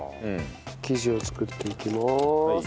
生地を作っていきます。